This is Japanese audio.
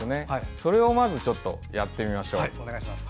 それをまずやってみましょう。